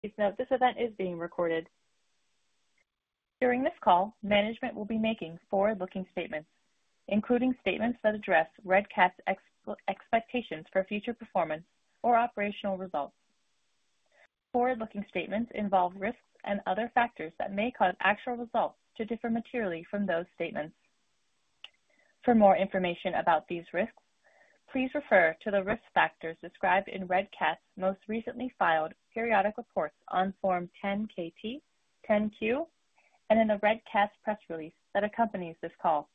Please note this event is being recorded. During this call, management will be making forward-looking statements, including statements that address Red Cat's expectations for future performance or operational results. Forward-looking statements involve risks and other factors that may cause actual results to differ materially from those statements. For more information about these risks, please refer to the risk factors described in Red Cat's most recently filed periodic reports on Form 10-KT, 10-Q, and in Red Cat's press release that accompanies this call,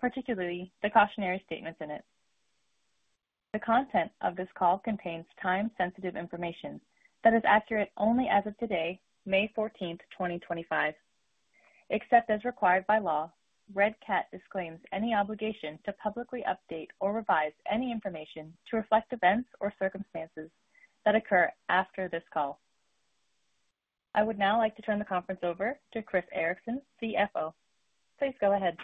particularly the cautionary statements in it. The content of this call contains time-sensitive information that is accurate only as of today, May 14th, 2025. Except as required by law, Red Cat disclaims any obligation to publicly update or revise any information to reflect events or circumstances that occur after this call. I would now like to turn the conference over to Chris Ericson, CFO. Please go ahead.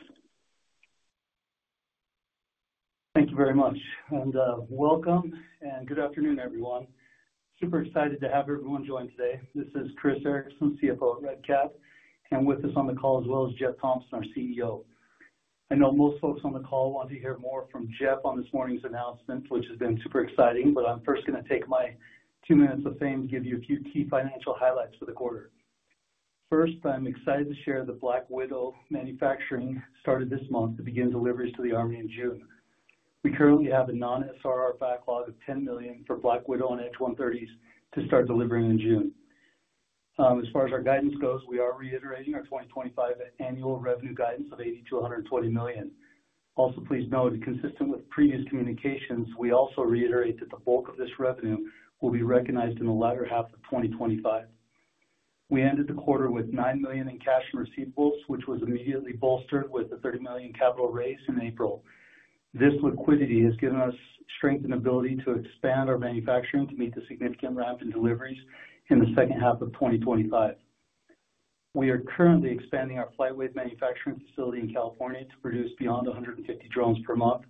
Thank you very much. Welcome and good afternoon, everyone. Super excited to have everyone join today. This is Chris Ericson, CFO at Red Cat, and with us on the call as well is Jeff Thompson, our CEO. I know most folks on the call want to hear more from Jeff on this morning's announcement, which has been super exciting, but I'm first going to take my two minutes of fame to give you a few key financial highlights for the quarter. First, I'm excited to share that Black Widow Manufacturing started this month to begin deliveries to the Army in June. We currently have a non-SRR backlog of $10 million for Black Widow and H130s to start delivering in June. As far as our guidance goes, we are reiterating our 2025 annual revenue guidance of $80 million-$120 million. Also, please note, consistent with previous communications, we also reiterate that the bulk of this revenue will be recognized in the latter half of 2025. We ended the quarter with $9 million in cash and receivables, which was immediately bolstered with a $30 million capital raise in April. This liquidity has given us strength and ability to expand our manufacturing to meet the significant ramp in deliveries in the second half of 2025. We are currently expanding our FlightWave manufacturing facility in California to produce beyond 150 drones per month,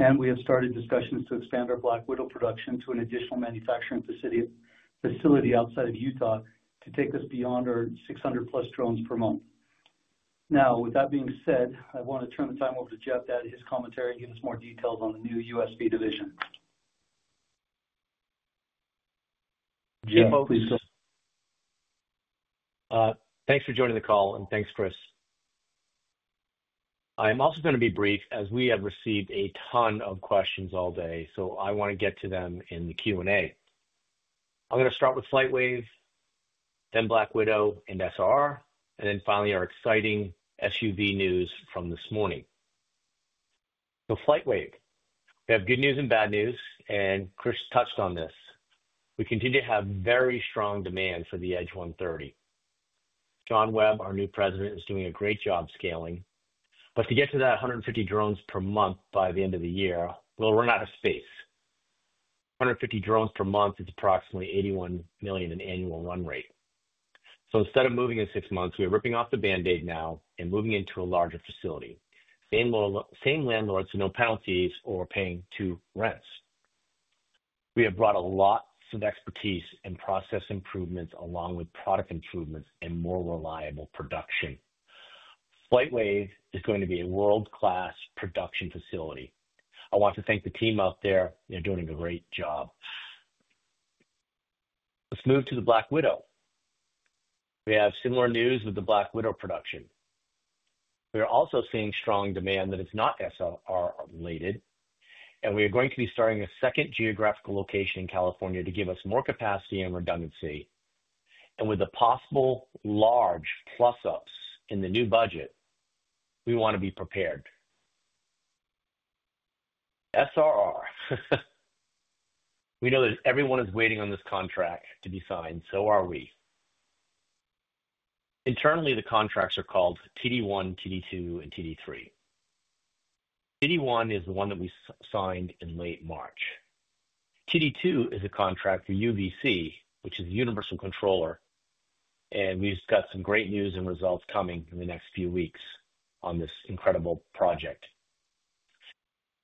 and we have started discussions to expand our Black Widow production to an additional manufacturing facility outside of Utah to take us beyond our 600+ drones per month. Now, with that being said, I want to turn the time over to Jeff to add his commentary and give us more details on the new USV division. Jeff, please go. Thanks for joining the call, and thanks, Chris. I'm also going to be brief as we have received a ton of questions all day, so I want to get to them in the Q&A. I'm going to start with FlightWave, then Black Widow and SRR, and then finally our exciting USV news from this morning. FlightWave, we have good news and bad news, and Chris touched on this. We continue to have very strong demand for the Edge 130. Shawn Webb, our new President, is doing a great job scaling, but to get to that 150 drones per month by the end of the year, we're not out of space. 150 drones per month is approximately $81 million in annual run rate. Instead of moving in six months, we are ripping off the Band-Aid now and moving into a larger facility. Same landlords, no penalties, or paying two rents. We have brought a lot of expertise and process improvements along with product improvements and more reliable production. FlightWave is going to be a world-class production facility. I want to thank the team out there doing a great job. Let's move to the Black Widow. We have similar news with the Black Widow production. We are also seeing strong demand that is not SRR-related, and we are going to be starting a second geographical location in California to give us more capacity and redundancy. With the possible large plus-ups in the new budget, we want to be prepared. SRR. We know that everyone is waiting on this contract to be signed, so are we. Internally, the contracts are called TD1, TD2, and TD3. TD1 is the one that we signed in late March. TD2 is a contract for UVC, which is the Universal Controller, and we've got some great news and results coming in the next few weeks on this incredible project.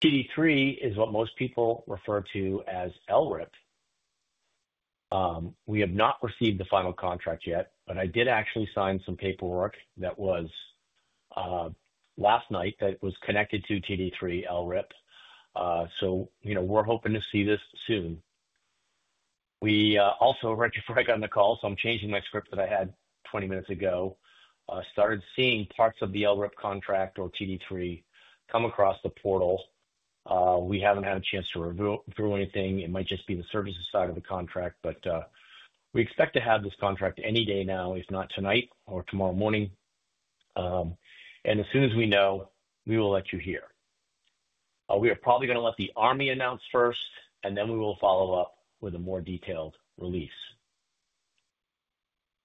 TD3 is what most people refer to as LRIP. We have not received the final contract yet, but I did actually sign some paperwork that was last night that was connected to TD3 LRIP. We are hoping to see this soon. Also, right before I got on the call, so I'm changing my script that I had 20 minutes ago, started seeing parts of the LRIP contract or TD3 come across the portal. We have not had a chance to review anything. It might just be the services side of the contract, but we expect to have this contract any day now, if not tonight or tomorrow morning. As soon as we know, we will let you hear. We are probably going to let the Army announce first, and then we will follow up with a more detailed release.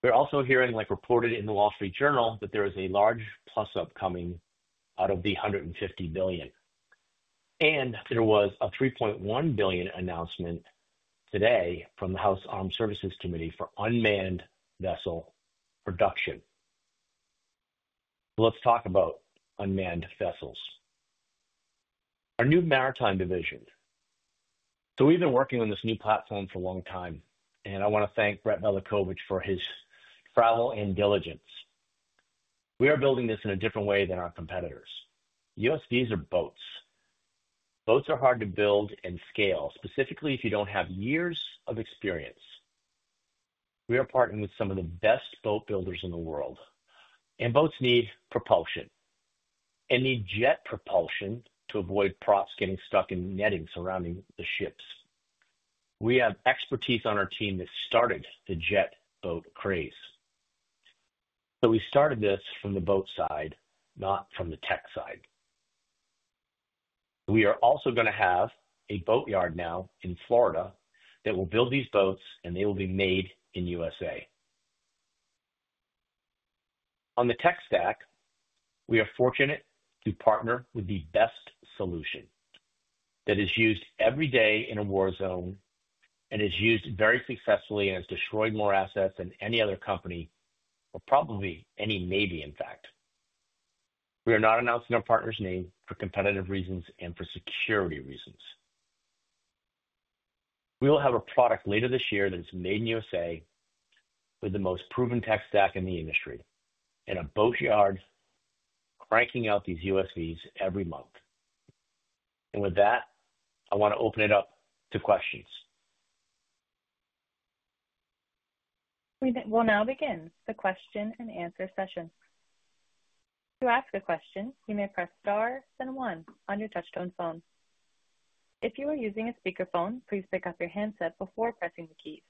We're also hearing, like reported in the Wall Street Journal, that there is a large plus-up coming out of the $150 million. There was a $3.1 billion announcement today from the House Armed Services Committee for unmanned vessel production. Let's talk about unmanned vessels. Our new maritime division. We have been working on this new platform for a long time, and I want to thank Brett Velikovich for his travel and diligence. We are building this in a different way than our competitors. USVs are boats. Boats are hard to build and scale, specifically if you do not have years of experience. We are partnering with some of the best boat builders in the world, and boats need propulsion. They need jet propulsion to avoid props getting stuck in netting surrounding the ships. We have expertise on our team that started the jet boat craze. We started this from the boat side, not from the tech side. We are also going to have a boatyard now in Florida that will build these boats, and they will be made in the U.S. On the tech stack, we are fortunate to partner with the best solution that is used every day in a war zone and is used very successfully and has destroyed more assets than any other company, or probably any navy, in fact. We are not announcing our partner's name for competitive reasons and for security reasons. We will have a product later this year that is made in the U.S. with the most proven tech stack in the industry and a boatyard cranking out these USVs every month. With that, I want to open it up to questions. We will now begin the question-and-answer session. To ask a question, you may press star then one on your touchtone phone. If you are using a speakerphone, please pick up your handset before pressing the keys.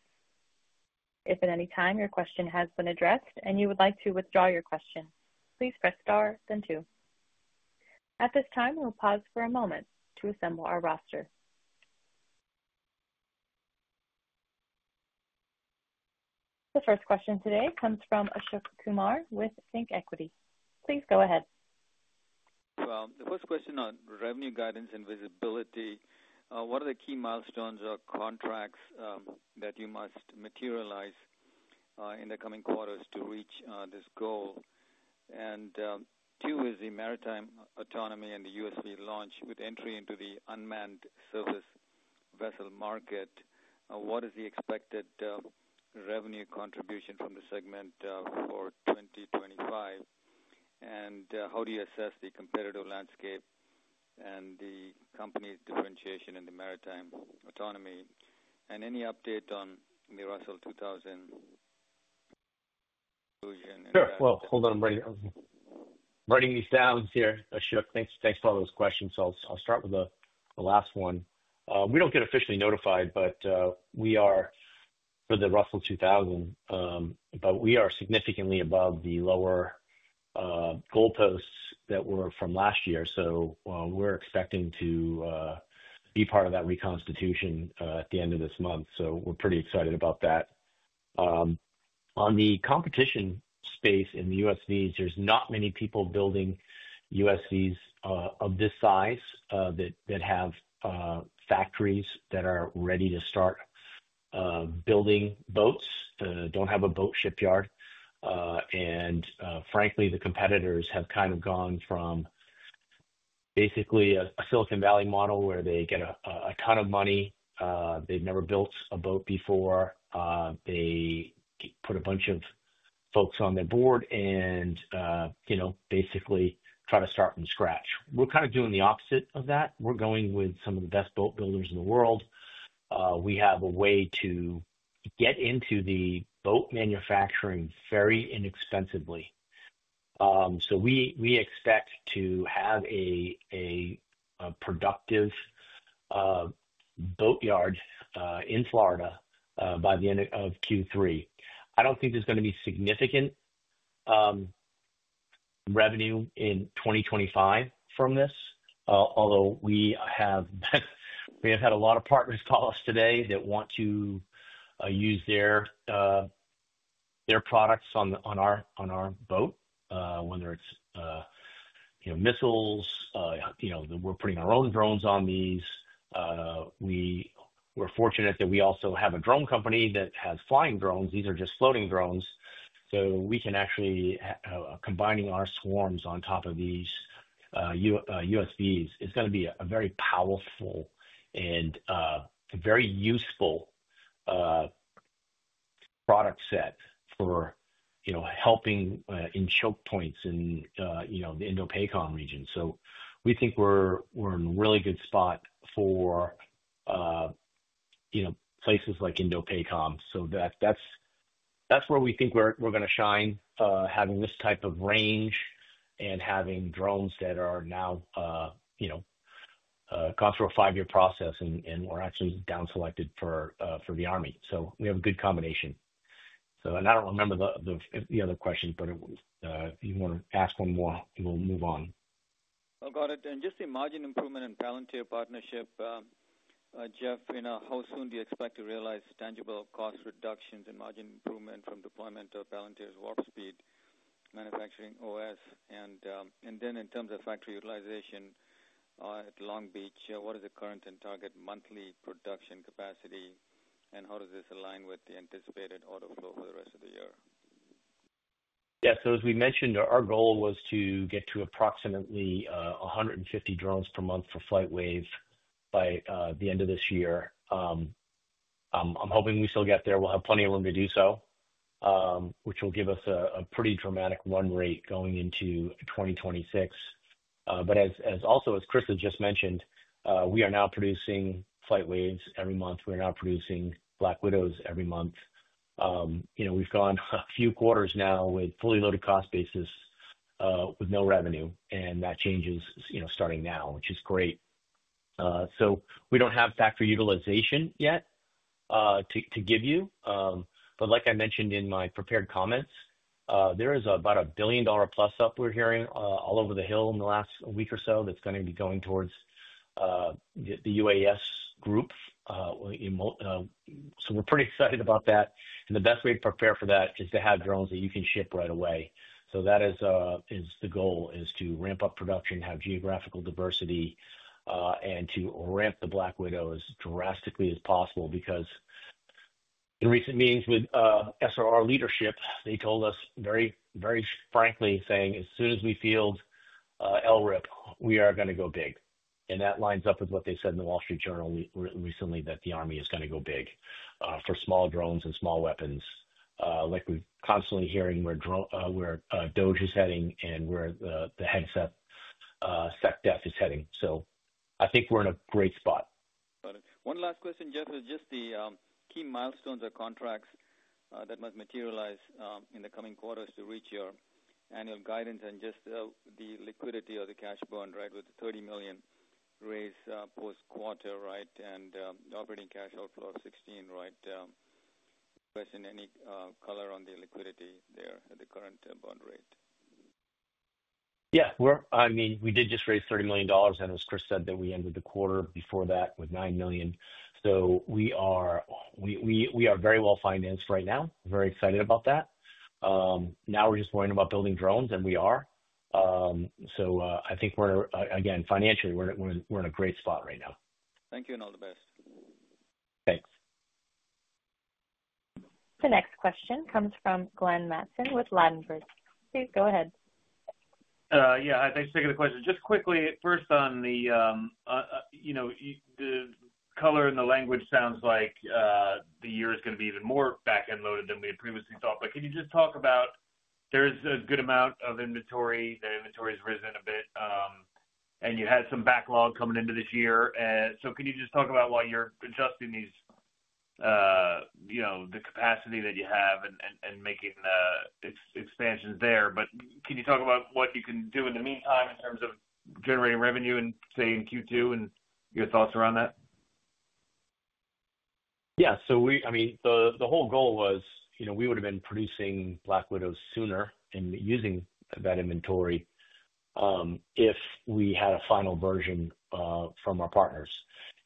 If at any time your question has been addressed and you would like to withdraw your question, please press star then two. At this time, we'll pause for a moment to assemble our roster. The first question today comes from Ashok Kumar with ThinkEquity. Please go ahead. The first question on revenue guidance and visibility, what are the key milestones or contracts that you must materialize in the coming quarters to reach this goal? Two is the maritime autonomy and the USV launch with entry into the unmanned surface vessel market. What is the expected revenue contribution from the segment for 2025? How do you assess the competitive landscape and the company's differentiation in the maritime autonomy? Any update on the Russell 2000? Jeff, hold on. Writing these down here. Ashok. Thanks for all those questions. I'll start with the last one. We do not get officially notified, but we are for the Russell 2000, but we are significantly above the lower goalposts that were from last year. We are expecting to be part of that reconstitution at the end of this month. We are pretty excited about that. On the competition space in the USVs, there are not many people building USVs of this size that have factories that are ready to start building boats, do not have a boat shipyard. Frankly, the competitors have kind of gone from basically a Silicon Valley model where they get a ton of money. They have never built a boat before. They put a bunch of folks on their board and basically try to start from scratch. We are kind of doing the opposite of that. We're going with some of the best boat builders in the world. We have a way to get into the boat manufacturing very inexpensively. We expect to have a productive boatyard in Florida by the end of Q3. I don't think there's going to be significant revenue in 2025 from this, although we have had a lot of partners call us today that want to use their products on our boat, whether it's missiles. We're putting our own drones on these. We're fortunate that we also have a drone company that has flying drones. These are just floating drones. We can actually combine our swarms on top of these USVs. It's going to be a very powerful and very useful product set for helping in choke points in the Indo-Pacific region. We think we're in a really good spot for places like Indo-Pacific. That's where we think we're going to shine, having this type of range and having drones that are now gone through a five-year process and we're actually down-selected for the Army. We have a good combination. I don't remember the other question, but if you want to ask one more, we'll move on. I'll go ahead and just say margin improvement and Palantir partnership. Jeff, how soon do you expect to realize tangible cost reductions in margin improvement from deployment of Palantir's Warp Speed manufacturing OS? In terms of factory utilization at Long Beach, what is the current and target monthly production capacity, and how does this align with the anticipated auto flow for the rest of the year? Yeah. As we mentioned, our goal was to get to approximately 150 drones per month for FlightWave by the end of this year. I'm hoping we still get there. We'll have plenty of room to do so, which will give us a pretty dramatic run rate going into 2026. Also, as Chris has just mentioned, we are now producing FlightWaves every month. We are now producing Black Widows every month. We've gone a few quarters now with fully loaded cost basis with no revenue, and that changes starting now, which is great. We don't have factory utilization yet to give you. Like I mentioned in my prepared comments, there is about a $1 billion+ up we're hearing all over the Hill in the last week or so that's going to be going towards the UAS group. We're pretty excited about that. The best way to prepare for that is to have drones that you can ship right away. That is the goal, to ramp up production, have geographical diversity, and to ramp the Black Widows drastically as possible. Because in recent meetings with SRR leadership, they told us very frankly, saying, "As soon as we field LRIP, we are going to go big. That lines up with what they said in the Wall Street Journal recently, that the Army is going to go big for small drones and small weapons." Like, we are constantly hearing where DOGE is heading and where the headset SecDef is heading. I think we are in a great spot. Got it. One last question, Jeff, is just the key milestones or contracts that must materialize in the coming quarters to reach your annual guidance and just the liquidity or the cash bond, right, with the $30 million raised post-quarter, right, and operating cash outflow of $16 million, right? Question, any color on the liquidity there at the current bond rate? Yeah. I mean, we did just raise $30 million, and as Chris said, we ended the quarter before that with $9 million. So we are very well financed right now. Very excited about that. Now we're just worrying about building drones, and we are. I think we're, again, financially, we're in a great spot right now. Thank you and all the best. Thanks. The next question comes from Glenn Mattson with Ladenburg. Please go ahead. Yeah. Thanks for taking the question. Just quickly, first on the color and the language, sounds like the year is going to be even more back-end loaded than we had previously thought. Can you just talk about, there is a good amount of inventory, that inventory has risen a bit, and you had some backlog coming into this year. Can you just talk about why you're adjusting the capacity that you have and making expansions there? Can you talk about what you can do in the meantime in terms of generating revenue and, say, in Q2 and your thoughts around that? Yeah. So I mean, the whole goal was we would have been producing Black Widows sooner and using that inventory if we had a final version from our partners.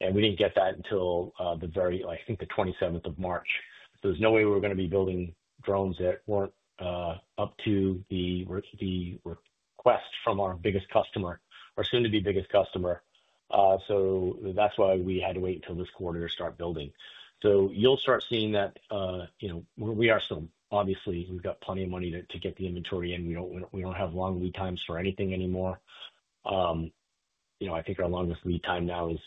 And we did not get that until the very, I think, the 27th of March. There is no way we were going to be building drones that were not up to the request from our biggest customer or soon-to-be biggest customer. That is why we had to wait until this quarter to start building. You will start seeing that we are still, obviously, we have got plenty of money to get the inventory in. We do not have long lead times for anything anymore. I think our longest lead time now is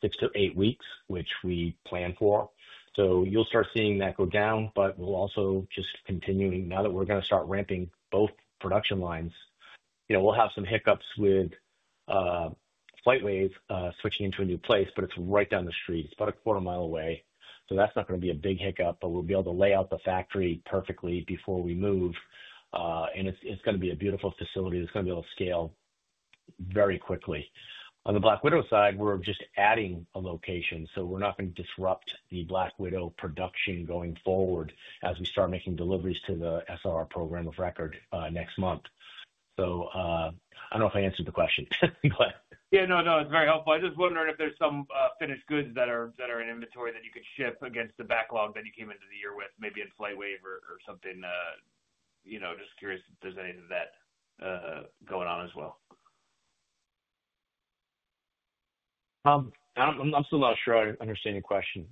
six to eight weeks, which we plan for. You will start seeing that go down, but we will also just continue. Now that we're going to start ramping both production lines, we'll have some hiccups with FlightWave switching into a new place, but it's right down the street. It's about a quarter mile away. That's not going to be a big hiccup, but we'll be able to lay out the factory perfectly before we move. It's going to be a beautiful facility. It's going to be able to scale very quickly. On the Black Widow side, we're just adding a location. We're not going to disrupt the Black Widow production going forward as we start making deliveries to the SRR program of record next month. I don't know if I answered the question, but. Yeah, no, no. It's very helpful. I just wondered if there's some finished goods that are in inventory that you could ship against the backlog that you came into the year with, maybe in FlightWave or something. Just curious if there's any of that going on as well. I'm still not sure I understand your question.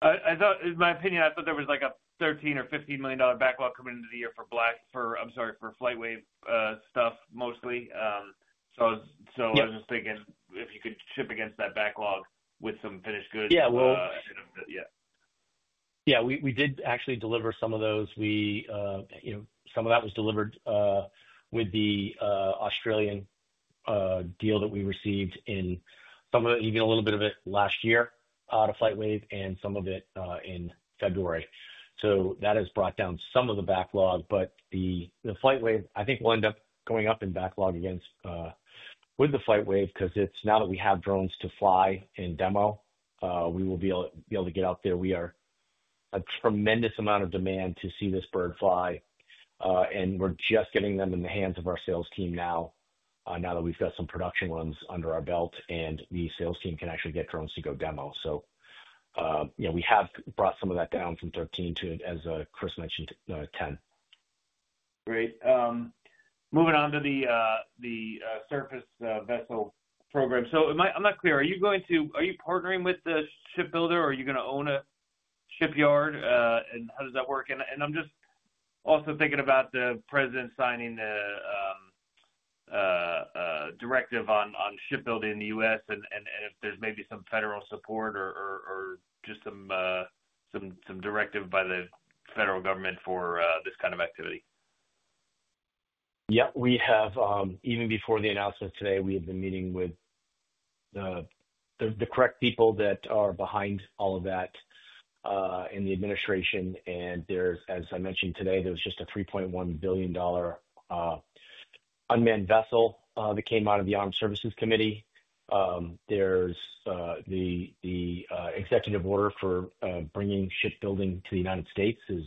My opinion, I thought there was like a $13 million or $15 million backlog coming into the year for, Black, I'm sorry, for FlightWave stuff mostly. I was just thinking if you could ship against that backlog with some finished goods. Yeah. Yeah. We did actually deliver some of those. Some of that was delivered with the Australian deal that we received and some of it, even a little bit of it last year out of FlightWave and some of it in February. That has brought down some of the backlog, but the FlightWave, I think, will end up going up in backlog with the FlightWave because now that we have drones to fly and demo, we will be able to get out there. We have a tremendous amount of demand to see this bird fly. We are just getting them in the hands of our sales team now, now that we have some production runs under our belt, and the sales team can actually get drones to go demo. We have brought some of that down from 13 to, as Chris mentioned, 10. Great. Moving on to the surface vessel program. I'm not clear. Are you going to, are you partnering with the shipbuilder, or are you going to own a shipyard? How does that work? I'm just also thinking about the president signing the directive on shipbuilding in the U.S. and if there's maybe some federal support or just some directive by the federal government for this kind of activity. Yep. Even before the announcement today, we have been meeting with the correct people that are behind all of that in the administration. As I mentioned today, there was just a $3.1 billion unmanned vessel that came out of the Armed Services Committee. The executive order for bringing shipbuilding to the United States is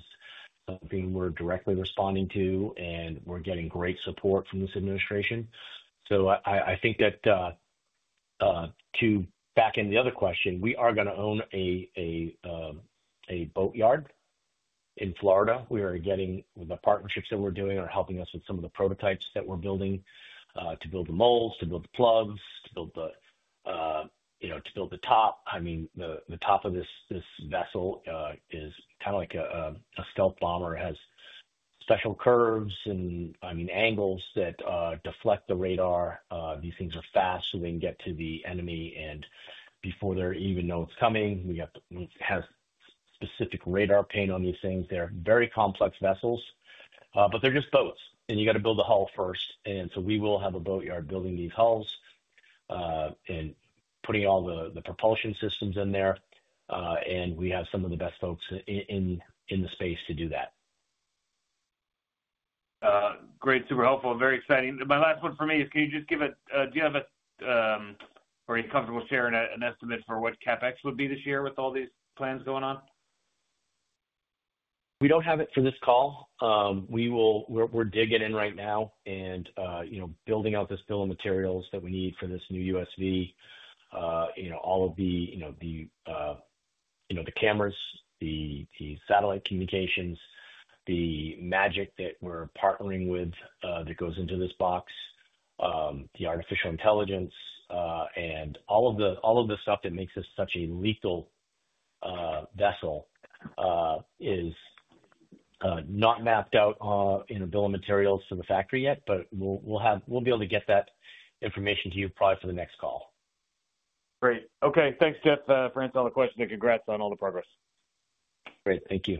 something we're directly responding to, and we're getting great support from this administration. I think that to back in the other question, we are going to own a boatyard in Florida. We are getting the partnerships that we're doing are helping us with some of the prototypes that we're building to build the molds, to build the plugs, to build the top. I mean, the top of this vessel is kind of like a stealth bomber, has special curves and, I mean, angles that deflect the radar. These things are fast so they can get to the enemy. Before they even know it's coming, we have to have specific radar paint on these things. They're very complex vessels, but they're just boats, and you got to build the hull first. We will have a boatyard building these hulls and putting all the propulsion systems in there. We have some of the best folks in the space to do that. Great. Super helpful. Very exciting. My last one for me is, can you just give a, do you have a, are you comfortable sharing an estimate for what CapEx would be this year with all these plans going on? We don't have it for this call. We're digging in right now and building out this bill of materials that we need for this new USV, all of the cameras, the satellite communications, the magic that we're partnering with that goes into this box, the artificial intelligence, and all of the stuff that makes us such a lethal vessel is not mapped out in a bill of materials to the factory yet, but we'll be able to get that information to you probably for the next call. Great. Okay. Thanks, Jeff, for answering all the questions and congrats on all the progress. Great. Thank you.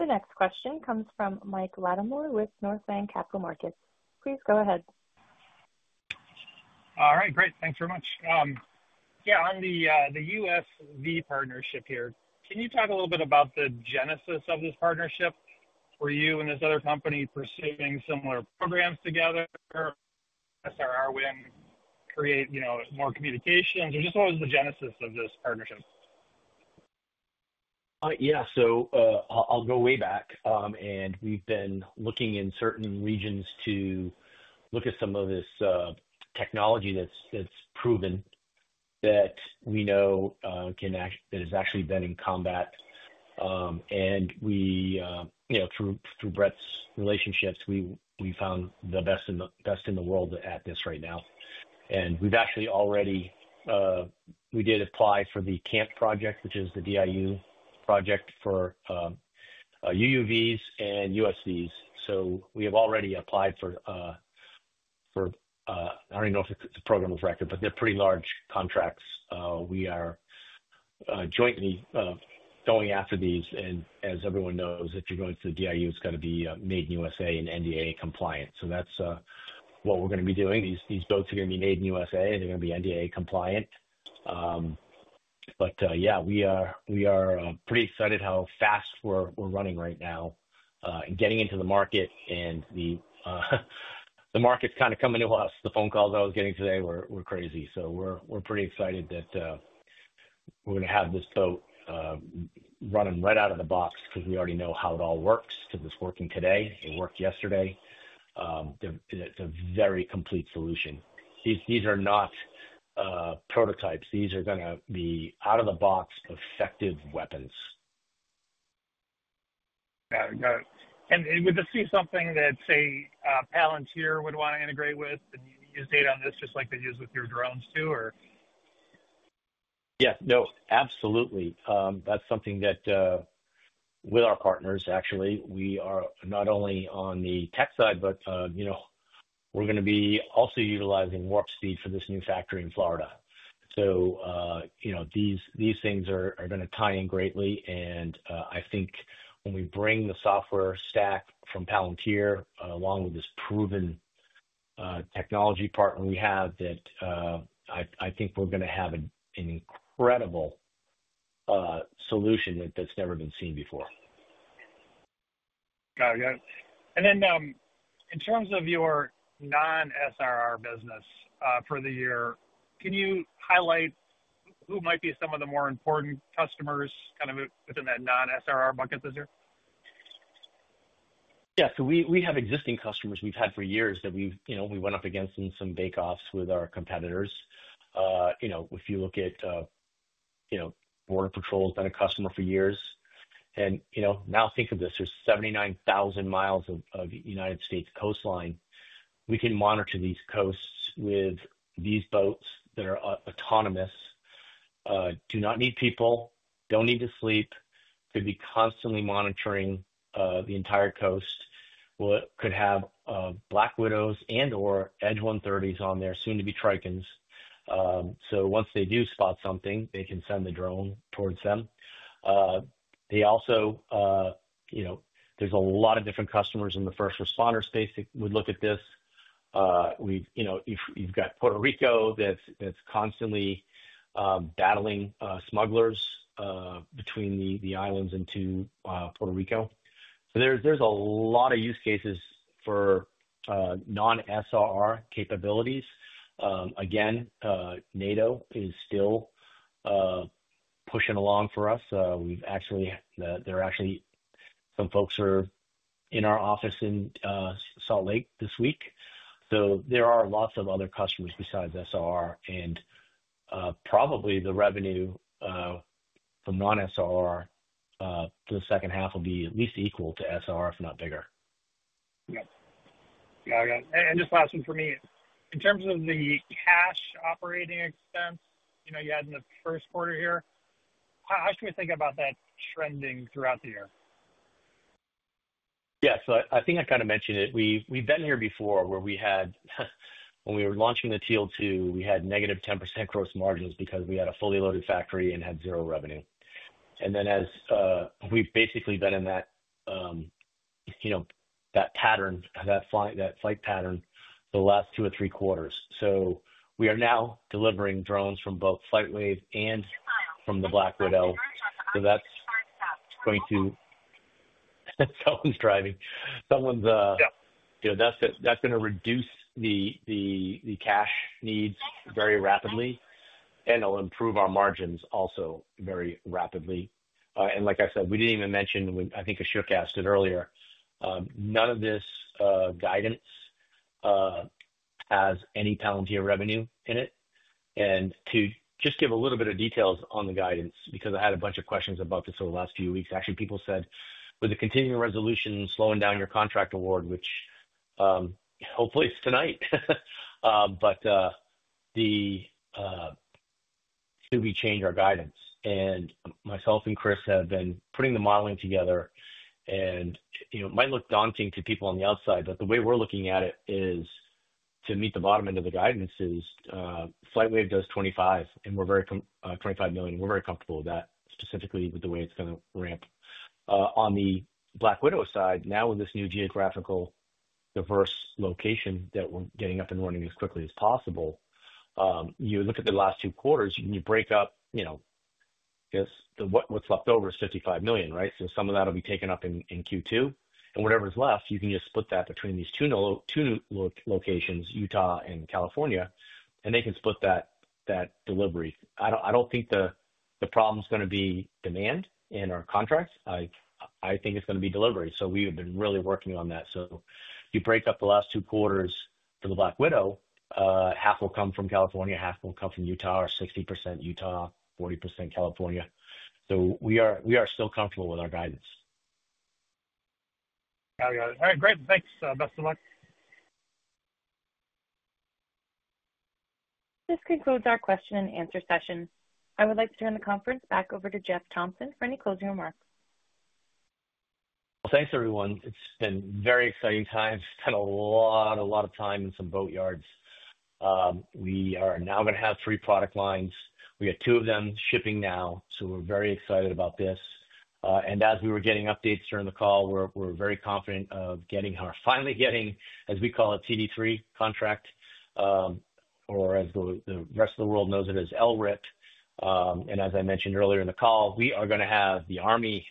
The next question comes from Mike Latimore with Northland Capital Markets. Please go ahead. All right. Great. Thanks very much. Yeah. On the USV partnership here, can you talk a little bit about the genesis of this partnership? Were you and this other company pursuing similar programs together? SRR went and created more communications? Or just what was the genesis of this partnership? Yeah. I'll go way back, and we've been looking in certain regions to look at some of this technology that's proven that we know that has actually been in combat. Through Brett's relationships, we found the best in the world at this right now. We've actually already applied for the CAMP project, which is the DIU project for UUVs and USVs. We have already applied for, I don't even know if it's a program of record, but they're pretty large contracts. We are jointly going after these. As everyone knows, if you're going to the DIU, it's got to be made in USA and NDA compliant. That's what we're going to be doing. These boats are going to be made in USA, and they're going to be NDA compliant. Yeah, we are pretty excited how fast we're running right now and getting into the market. The market's kind of coming to us. The phone calls I was getting today were crazy. We are pretty excited that we're going to have this boat running right out of the box because we already know how it all works because it's working today. It worked yesterday. It's a very complete solution. These are not prototypes. These are going to be out-of-the-box effective weapons. Got it. Got it. Would this be something that, say, Palantir would want to integrate with and use data on this just like they use with your drones too, or? Yeah. No, absolutely. That is something that with our partners, actually, we are not only on the tech side, but we are going to be also utilizing Warp Speed for this new factory in Florida. These things are going to tie in greatly. I think when we bring the software stack from Palantir along with this proven technology partner we have, I think we are going to have an incredible solution that has never been seen before. Got it. Got it. In terms of your non-SRR business for the year, can you highlight who might be some of the more important customers kind of within that non-SRR bucket this year? Yeah. We have existing customers we've had for years that we went up against in some bake-offs with our competitors. If you look at Border Patrol, it's been a customer for years. Now think of this. There are 79,000 mi of United States coastline. We can monitor these coasts with these boats that are autonomous, do not need people, do not need to sleep, could be constantly monitoring the entire coast. We could have Black Widows and/or Edge 130s on there, soon-to-be Trikens. Once they do spot something, they can send the drone towards them. There are also a lot of different customers in the first responder space that would look at this. You've got Puerto Rico that's constantly battling smugglers between the islands and to Puerto Rico. There are a lot of use cases for non-SRR capabilities. Again, NATO is still pushing along for us. We've actually, there are actually some folks who are in our office in Salt Lake this week. There are lots of other customers besides SRR. Probably the revenue from non-SRR for the second half will be at least equal to SRR, if not bigger. Yep. Got it. Got it. Just last one for me. In terms of the cash operating expense you had in the first quarter here, how should we think about that trending throughout the year? Yeah. I think I kind of mentioned it. We've been here before where we had, when we were launching the Teal 2, we had negative 10% gross margins because we had a fully loaded factory and had zero revenue. As we've basically been in that pattern, that flight pattern for the last two or three quarters. We are now delivering drones from both FlightWave and from the Black Widow. That is going to reduce the cash needs very rapidly and will improve our margins also very rapidly. Like I said, we did not even mention, I think Ashok asked it earlier, none of this guidance has any Palantir revenue in it. To just give a little bit of details on the guidance, because I had a bunch of questions about this over the last few weeks, actually, people said, "With the continuing resolution and slowing down your contract award," which hopefully it's tonight, but the CR changed our guidance. Myself and Chris have been putting the modeling together. It might look daunting to people on the outside, but the way we're looking at it is to meet the bottom end of the guidance, FlightWave does $25 million, and we're very comfortable with that, specifically with the way it's going to ramp. On the Black Widow side, now with this new geographically diverse location that we're getting up and running as quickly as possible, you look at the last two quarters, you can break up what's left over as $55 million, right? Some of that will be taken up in Q2. Whatever's left, you can just split that between these two locations, Utah and California, and they can split that delivery. I don't think the problem's going to be demand in our contracts. I think it's going to be delivery. We have been really working on that. If you break up the last two quarters for the Black Widow, half will come from California, half will come from Utah, or 60% Utah, 40% California. We are still comfortable with our guidance. Got it. Got it. All right. Great. Thanks. Best of luck. This concludes our question-and-answer session. I would like to turn the conference back over to Jeff Thompson for any closing remarks. Thanks, everyone. It's been very exciting times. We've spent a lot of time in some boatyards. We are now going to have three product lines. We have two of them shipping now, so we're very excited about this. As we were getting updates during the call, we're very confident of finally getting, as we call it, TD3 contract, or as the rest of the world knows it, as LRIP. As I mentioned earlier in the call, we are going to have the Army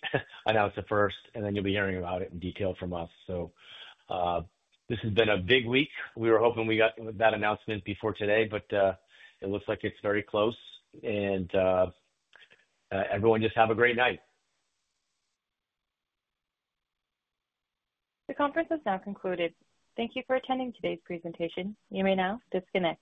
announce it first, and then you'll be hearing about it in detail from us. This has been a big week. We were hoping we got that announcement before today, but it looks like it's very close. Everyone just have a great night. The conference has now concluded. Thank you for attending today's presentation. You may now disconnect.